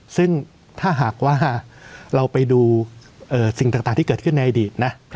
ซึ่งถ้าหากว่าเราไปดูสิ่งต่างที่เกิดขึ้นในอดีตนะ